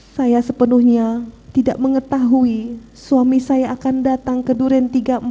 saya sepenuhnya tidak mengetahui suami saya akan datang ke duren tiga puluh empat